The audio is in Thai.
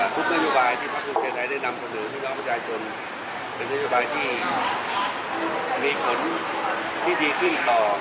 จะเป็นโยบายที่ทุกนโยบายได้นำทุกคนเป็นนโยบายที่มีผลที่ดีขึ้น